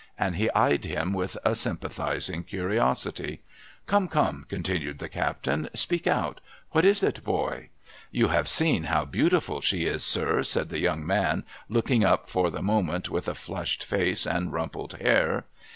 And he eyed him with a sympathising curiosity. ' Come, come !' continued the captain. ' Speak out. What is it, boy !'' You have seen how beautiful she is, sir,' said the young man, looking up for the moment, with a flushed face and rumpled hair.